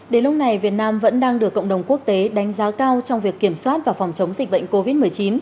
đến lúc này việt nam vẫn đang được cộng đồng quốc tế đánh giá cao trong việc kiểm soát và phòng chống dịch bệnh covid một mươi chín